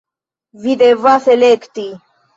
Vi devas elekti!